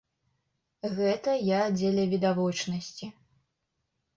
Гэта я дзеля відавочнасці.